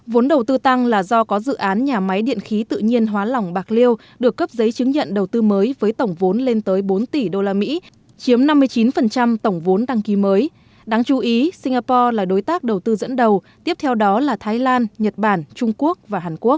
vốn đầu tư tăng là do có dự án nhà máy điện khí tự nhiên hóa lỏng bạc liêu được cấp giấy chứng nhận đầu tư mới với tổng vốn lên tới bốn tỷ usd chiếm năm mươi chín tổng vốn đăng ký mới đáng chú ý singapore là đối tác đầu tư dẫn đầu tiếp theo đó là thái lan nhật bản trung quốc và hàn quốc